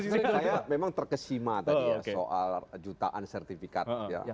saya memang terkesima tadi ya soal jutaan sertifikat